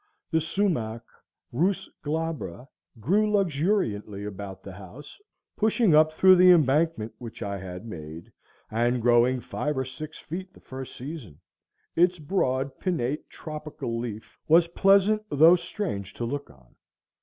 The sumach (Rhus glabra,) grew luxuriantly about the house, pushing up through the embankment which I had made, and growing five or six feet the first season. Its broad pinnate tropical leaf was pleasant though strange to look on.